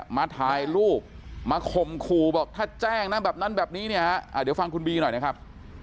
มาถ่ายรูปมาคมครูถ้าแจ้งแบบนั้นแบบนี้เดี๋ยวฟังคุณบีหน่อยนะครับ